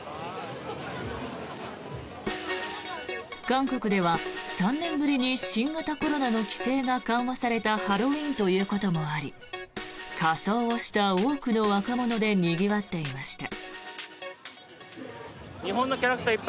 韓国では３年ぶりに新型コロナの規制が緩和されたハロウィーンということもあり仮装をした多くの若者でにぎわっていました。